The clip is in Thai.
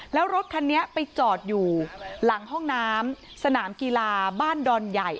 แล้วรถคันนี้ไปจอดอยู่หลังห้องน้ำสนามกีฬาบ้านดอนใหญ่